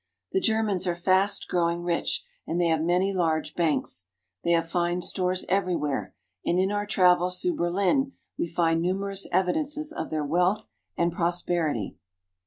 The Ger mans are fast growing rich, and they have many large banks. They have fine stores everywhere, and in our travels through Berlin we find numerous evidences of their wealth and prosperity.